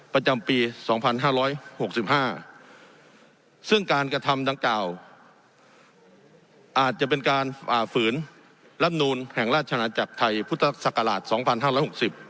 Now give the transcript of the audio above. ประจำปี๒๕๖๕ซึ่งการกระทำดังกล่าว